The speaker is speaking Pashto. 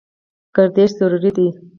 ګردش ضروري دی.